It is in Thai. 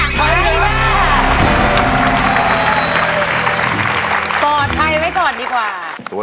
ใช้